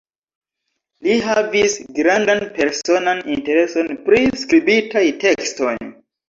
Li havis grandan personan intereson pri skribitaj tekstoj.